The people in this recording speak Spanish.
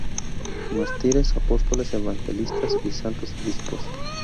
Mártires, Apóstoles, Evangelistas y Santos Obispos.